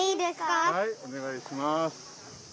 はいおねがいします。